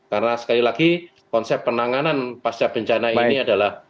karena sekali lagi konsep penanganan pasca bencana ini adalah